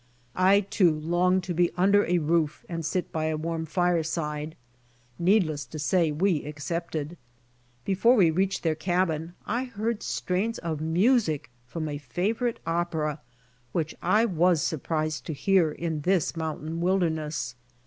I, too, longed to be under a roof and sit by a warm fireside. Needless to say we accepted. Before we reached their cabin I heard strains of music from a favorite opera which I was surprised to hear in this mountain wilderness.